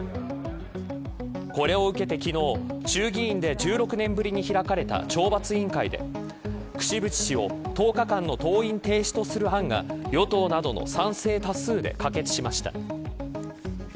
これを受けて昨日衆議院で１６年ぶりに開かれた懲罰委員会で櫛渕氏を１０日間の登院停止とする案が与党などの賛成多数で可決しました。